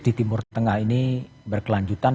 di timur tengah ini berkelanjutan